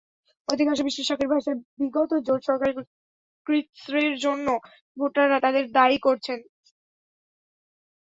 অধিকাংশ বিশ্লেষকের ভাষায়, বিগত জোট সরকারের কৃচ্ছ্রের জন্য ভোটাররা তাদেরই দায়ী করেছেন।